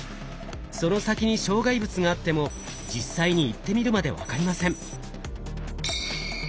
その先に障害物があっても実際に行ってみるまで分かりません。